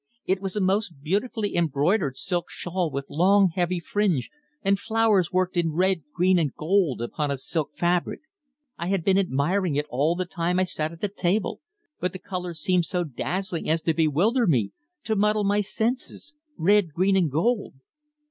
It was a most beautifully embroidered silk shawl with long, heavy fringe, and flowers worked in red, green and gold upon a silk fabric. I had been admiring it all the time I sat at the table, but the colours seemed so dazzling as to bewilder me, to muddle my senses red, green and gold."